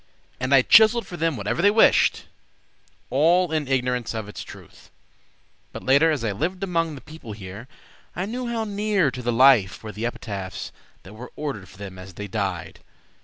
And I chiseled for them whatever they wished, All in ignorance of the truth. But later, as I lived among the people here, I knew how near to the life Were the epitaphs that were ordered for them as they died.